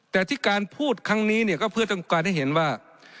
แต่ที่การพูดครั้งนี้เนี่ยก็เพื่อต้องการให้เห็นว่า